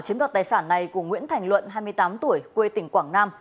chiếm đoạt tài sản này của nguyễn thành luận hai mươi tám tuổi quê tỉnh quảng nam